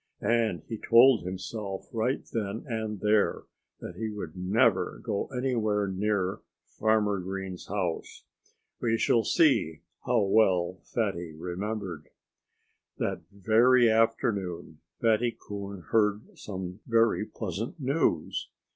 And he told himself right then and there that he would never go anywhere near Farmer Green's house. We shall see how well Fatty remembered. That very afternoon Fatty Coon heard some very pleasant news.